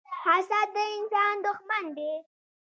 حسد د انسان دښمن دی